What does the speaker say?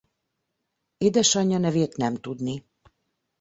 Édesanyja nevét nem tudni.